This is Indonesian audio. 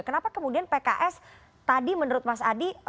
kenapa kemudian pks tadi menurut mas adi